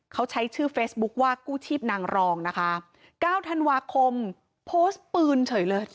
เขาใช้ชื่อเฟซบุ๊คว่ากู้ชีพนางรองนะคะเก้าธันวาคมโพสต์ปืนเฉยเลย